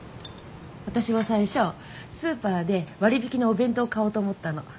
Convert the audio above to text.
私は最初スーパーで割引のお弁当を買おうと思ったの。